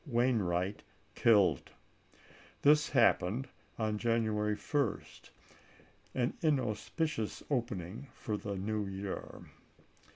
Wainwright, killed. This isea. happened on January 1st ; an inauspicious opening for the New Year.